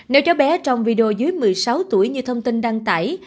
nếu cháu bé trong video dưới một mươi sáu tuổi như thông tin đăng tải